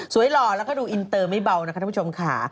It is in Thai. หล่อแล้วก็ดูอินเตอร์ไม่เบานะคะท่านผู้ชมค่ะ